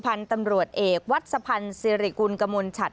พันธุ์ตำรวจเอกวัดสะพันธ์สิริกุลกมลชัด